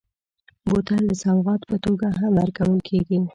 بوتل د سوغات په توګه هم ورکول کېږي.